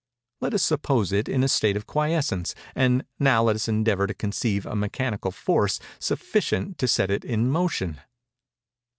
Let us suppose it in a state of quiescence; and now let us endeavor to conceive a mechanical force sufficient to set it in motion!